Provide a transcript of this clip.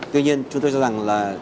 tuy nhiên chúng tôi cho rằng là